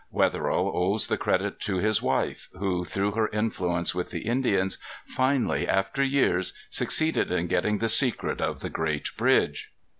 Wetherill owes the credit to his wife, who, through her influence with the Indians finally after years succeeded in getting the secret of the great bridge.